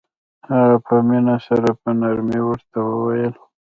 هغه په مينه سره په نرمۍ ورته وويل.